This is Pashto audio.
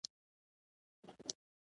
پاڅون د سیاسي نظام په وړاندې حرکت دی.